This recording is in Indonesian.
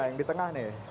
nah yang di tengah nih